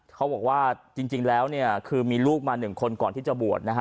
เขาบอกว่าจริงแล้วเนี่ยคือมีลูกมาหนึ่งคนก่อนที่จะบวชนะฮะ